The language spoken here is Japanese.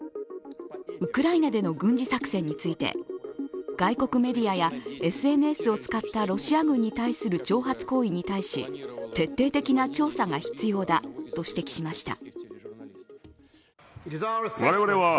ウクライナでの軍事作戦について外国メディアやＳＮＳを使ったロシア軍に対する挑発行為に対し、徹底的な調査が必要だと指摘しました。